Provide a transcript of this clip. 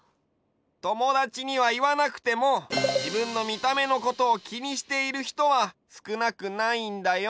ともだちにはいわなくてもじぶんのみためのことをきにしているひとはすくなくないんだよ。